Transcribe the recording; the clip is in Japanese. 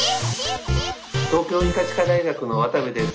東京医科歯科大学の渡部です。